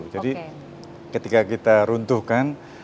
jadi ketika kita runtuhkan